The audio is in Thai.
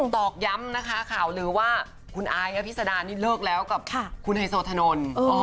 ตอกย้ำนะคะข่าวลือว่าคุณอายอภิษดานี่เลิกแล้วกับคุณไฮโซถนน